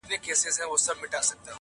ځکه همدغه شاعري یې